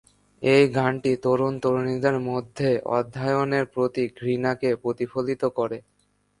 এই গানটি তরুণ-তরুণীদের মধ্যে অধ্যয়নের প্রতি ঘৃণাকে প্রতিফলিত করে।